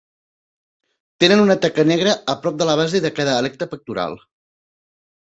Tenen una taca negra a prop de la base de cada aleta pectoral.